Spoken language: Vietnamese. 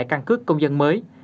căn cước công dân mới